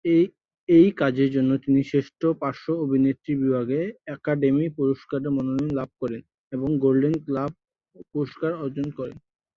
এই কাজের জন্য তিনি শ্রেষ্ঠ পার্শ্ব অভিনেত্রী বিভাগে একাডেমি পুরস্কারের মনোনয়ন লাভ করেন এবং গোল্ডেন গ্লোব পুরস্কার অর্জন করেন।